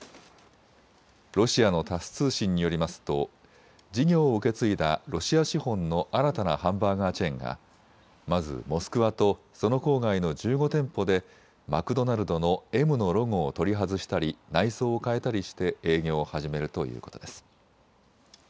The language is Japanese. ロシアのタス通信によりますと、事業を受け継いだロシア資本の新たなハンバーガーチェーンがまずモスクワとその郊外の１５店舗でマクドナルドのＭのロゴを取り外したり内装を変えたりして営業を始めるということです。